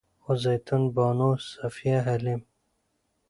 خو زيتون بانو، صفيه حليم